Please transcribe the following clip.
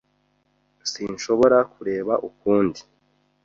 Sinshobora kureba ukundi.